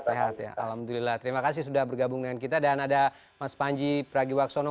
sehat ya alhamdulillah terima kasih sudah bergabung dengan kita dan ada mas panji pragiwaksono